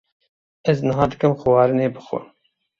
Ez niha dikim xwarinê bixwim.